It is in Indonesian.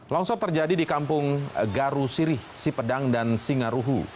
longsor terjadi di kampung garu sirih sipedang dan singaruhu